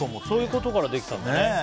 そういうことからできたんだね。